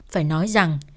phải nói rằng